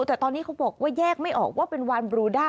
แต่ตอนนี้เขาบอกว่าแยกไม่ออกว่าเป็นวานบรูด้า